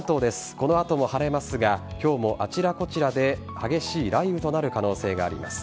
この後も晴れますが今日もあちらこちらで激しい雷雨となる可能性があります。